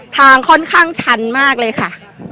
ค่อนข้างชันมากเลยค่ะ